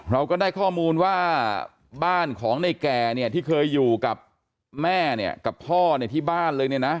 เราก็ได้ข้อมูลว่าบ้านของในแก่เนี่ยที่เคยอยู่กับแม่เนี่ยกับพ่อเนี่ยที่บ้านเลยเนี่ยนะ